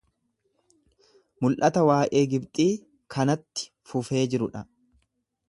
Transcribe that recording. Mul’ata waa’ee Gibxii kanatti fufee jiru dha.